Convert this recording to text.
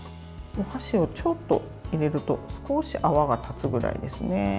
お箸をちょっと入れると少し泡が立つぐらいですね。